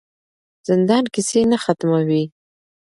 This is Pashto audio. زندان کیسې نه ختموي.